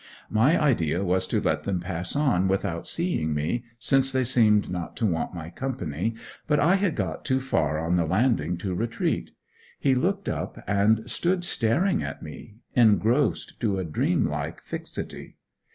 My idea was to let them pass on without seeing me, since they seemed not to want my company, but I had got too far on the landing to retreat; he looked up, and stood staring at me engrossed to a dream like fixity.